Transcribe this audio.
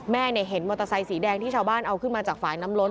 เห็นมอเตอร์ไซค์สีแดงที่ชาวบ้านเอาขึ้นมาจากฝ่ายน้ำล้น